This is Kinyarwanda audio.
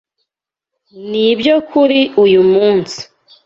Nibyo kuri uyu munsi.